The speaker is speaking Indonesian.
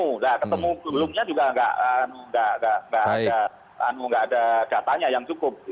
nah ketemu belumnya juga enggak ada datanya yang cukup